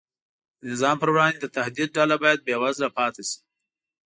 د نظام پر وړاندې د تهدید ډله باید بېوزله پاتې شي.